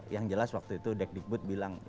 yang jelas waktu itu dek dikbud bilang